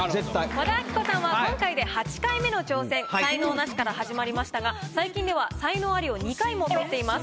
和田アキ子さんは才能ナシから始まりましたが最近では才能アリを２回も取っています。